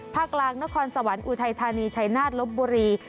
ภาคกลางนครสวรรค์อุทัยธานีชัยนาฏลบบุรี